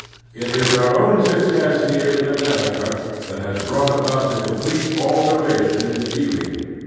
It is our own suc cess here in America that has brought about the complete alteration in feeling.